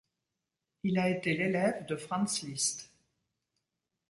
Il a été l’élève de Franz Liszt.